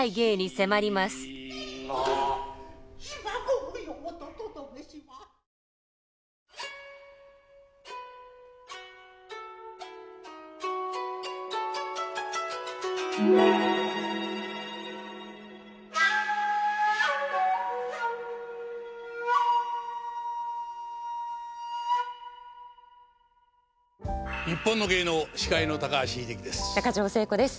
「にっぽんの芸能」司会の高橋英樹です。